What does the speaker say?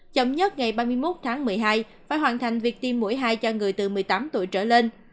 chậm nhất ngày ba mươi một tháng một mươi hai phải hoàn thành việc tiêm mũi hai cho người từ một mươi tám tuổi trở lên